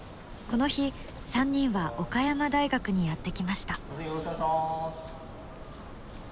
この日３人は岡山大学にやって来ました。